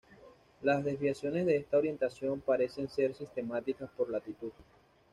Las desviaciones de esta orientación parecen ser sistemáticas por latitud.